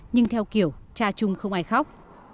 nhưng theo kiểu tra chung không ai khóc